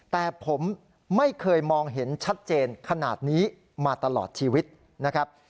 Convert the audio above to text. แต่ผมไม่เคยมองเห็นชัดเจนขนาดนี้มาตลอดชีวิตนะครับ